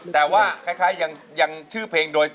แต่ว่าคล้ายยังชื่อเพลงโดย